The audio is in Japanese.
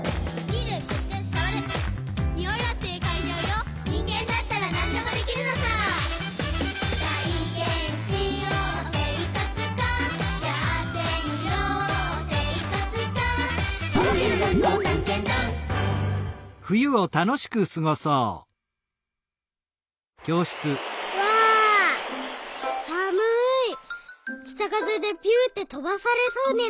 きたかぜでピュってとばされそうになった。